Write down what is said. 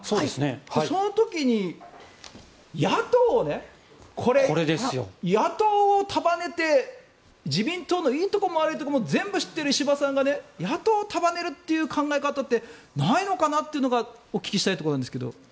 その時に、野党を束ねて自民党のいいところも悪いところも全部知っている石破さんが野党を束ねるという考え方ってないのかなっていうのがお聞きしたいところなんですが。